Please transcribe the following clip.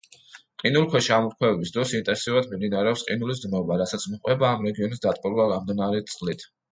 ყინულქვეშა ამოფრქვევების დროს ინტენსიურად მიმდინარეობს ყინულის დნობა, რასაც მოჰყვება ამ რეგიონის დატბორვა გამდნარი წყლით.